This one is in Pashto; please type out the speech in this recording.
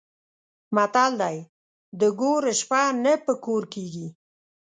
متل دی: د ګور شپه نه په کور کېږي.